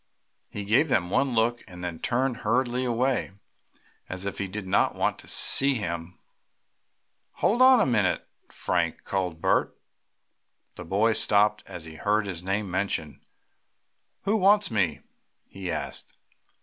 He gave them one look, and then turned hurriedly away, as if he did not want them to see him. "Hold on wait a minute Frank!" called Bert. The boy stopped as he heard his name mentioned. "Who wants me?" he asked.